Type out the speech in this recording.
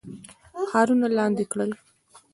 ښارونه لاندي کړل.